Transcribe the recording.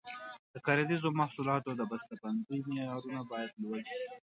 د کرنیزو محصولاتو د بسته بندۍ معیارونه باید لوړ شي.